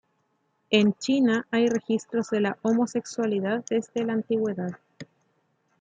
En China hay registros de la homosexualidad desde la antigüedad.